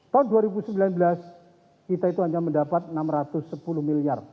tahun dua ribu sembilan belas kita itu hanya mendapat rp enam ratus sepuluh miliar